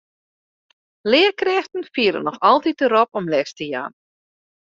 Learkrêften fiele noch altyd de rop om les te jaan.